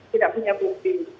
tidak punya bukti